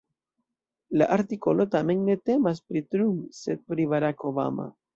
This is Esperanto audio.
La artikolo tamen ne temas pri Trump, sed pri Barack Obama.